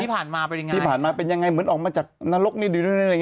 ที่ผ่านมาเป็นยังไงที่ผ่านมาเป็นยังไงเหมือนออกมาจากนรกนิดเดียว